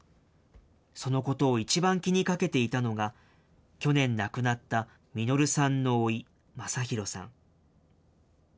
そのことを一番気にかけていたのが、去年亡くなった實さんのおい、昌弘さん。